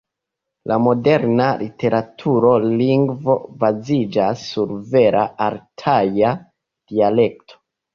La moderna literatura lingvo baziĝas sur vera altaja dialekto.